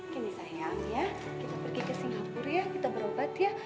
kini sayang ya kita pergi ke singapura ya kita berobat ya